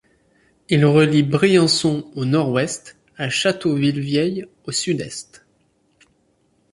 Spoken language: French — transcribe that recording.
Il relie Briançon, au nord-ouest, à Château-Ville-Vieille, au sud-est.